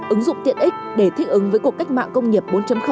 ứng dụng tiện ích để thích ứng với cuộc cách mạng công nghiệp bốn